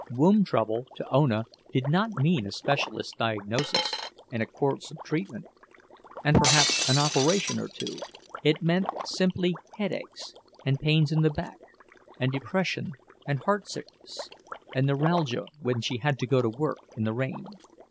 "Womb trouble" to Ona did not mean a specialist's diagnosis, and a course of treatment, and perhaps an operation or two; it meant simply headaches and pains in the back, and depression and heartsickness, and neuralgia when she had to go to work in the rain.